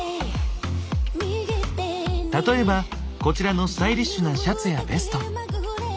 例えばこちらのスタイリッシュなシャツやベスト。